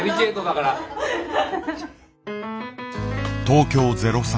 東京０３。